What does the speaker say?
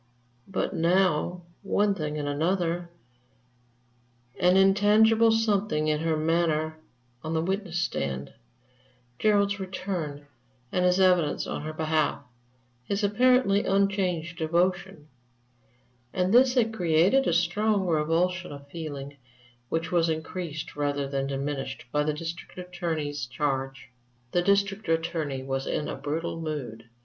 But now one thing and another an intangible something in her manner on the witness stand; Gerard's return and his evidence on her behalf; his apparently unchanged devotion all this had created a strong revulsion of feeling, which was increased rather than diminished by the District Attorney's charge. The District Attorney was in a brutal mood.